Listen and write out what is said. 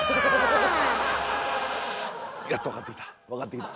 やっと分かってきた。